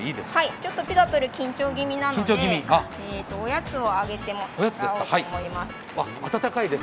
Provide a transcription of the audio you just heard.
ちょっとピザトル、緊張ぎみなのでおやつをあげてもらおうと思います。